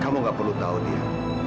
kamu gak perlu tahu dia